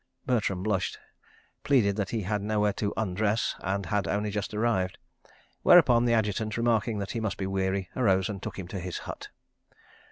Bertram blushed, pleaded that he had nowhere to "undress," and had only just arrived. Whereupon the Adjutant, remarking that he must be weary, arose and took him to his hut.